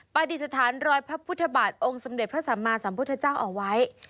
ปฏิสถานรอยพระพุทธบาทองค์สมเด็จพระสัมมาสัมพุทธเจ้าเอาไว้